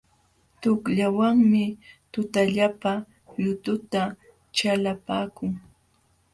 Tuqllawanmi tutallapa yututa chalapaakun.